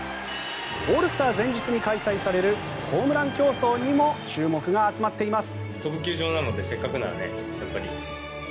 オールスター前日に開催されるホームラン競争にも注目が集まっています。